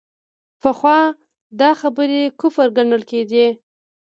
پخوا دا خبرې کفر ګڼل کېدې.